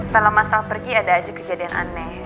setelah mas al pergi ada aja kejadian aneh